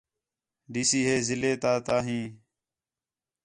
ڈی سی ہے ضلع تے تا ہیں